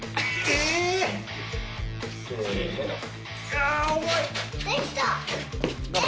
あ重い！